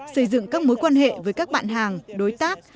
xây dựng các mối quan hệ với các bạn hàng đối tác